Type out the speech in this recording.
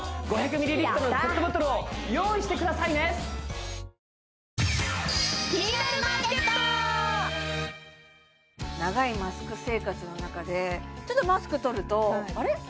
５００ミリリットルのペットボトルを用意してくださいね長いマスク生活の中でちょっとマスク取るとあれっ？